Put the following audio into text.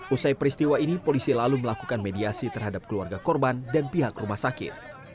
usai peristiwa ini polisi lalu melakukan mediasi terhadap keluarga korban dan pihak rumah sakit